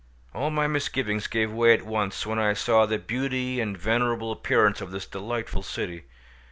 All my misgivings gave way at once when I saw the beauty and venerable appearance of this delightful city.